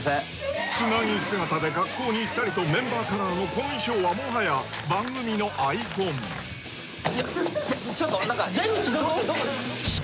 つなぎ姿で学校に行ったりとメンバーカラーのこの衣装はもはや番組のアイコン出口どこ？